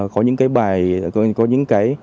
có những cái bài có những cái